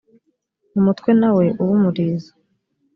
umutwe nawe ube umurizo